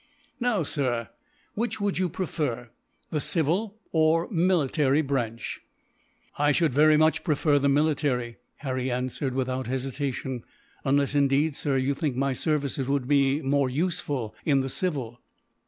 "Now, sir, which would you prefer, the civil or military branch?" "I should much prefer the military," Harry answered, without hesitation; "unless indeed, sir, you think my services would be more useful in the civil."